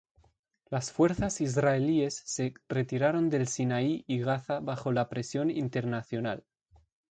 Las fuerzas israelíes se retiraron del Sinaí y Gaza bajo la presión internacional.